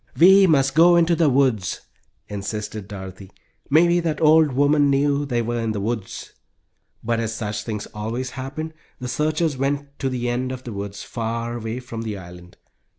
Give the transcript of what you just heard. "We must go to the woods," insisted Dorothy. "Maybe that old woman knew they were in the woods." But as such things always happen, the searchers went to the end of the woods, far away from the island.